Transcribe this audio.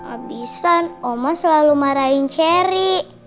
abisan oma selalu marahin cherry